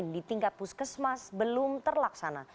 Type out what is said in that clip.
di tingkat puskesmas belum terlaksana